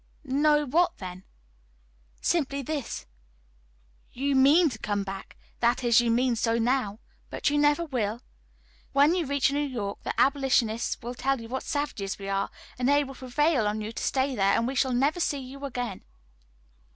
"No, what then?" "Simply this: you mean to come back, that is, you mean so now, but you never will. When you reach New York the abolitionists will tell you what savages we are, and they will prevail on you to stay there; and we shall never see you again."